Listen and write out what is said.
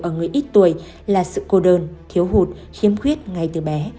ở người ít tuổi là sự cô đơn thiếu hụt khiếm khuyết ngay từ bé